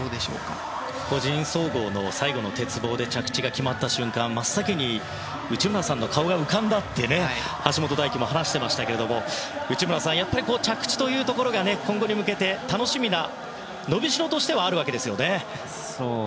個人総合の最後の鉄棒で着地が決まった瞬間、真っ先に内村さんの顔が浮かんだと橋本大輝も話していましたが内村さん、着地というところが今後に向けて楽しみな、伸びしろとしてはあるわけですね。